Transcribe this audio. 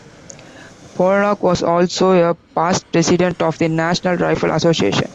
Pollock was also a past president of the National Rifle Association.